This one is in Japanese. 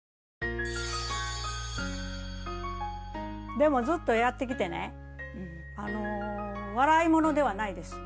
でもずっとやってきてね笑いものではないです。